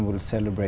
không chỉ là